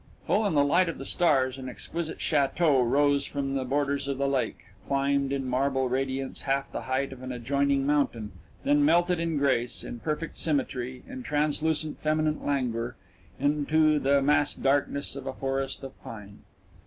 Full in the light of the stars, an exquisite château rose from the borders of the lake, climbed in marble radiance half the height of an adjoining mountain, then melted in grace, in perfect symmetry, in translucent feminine languor, into the massed darkness of a forest of pine.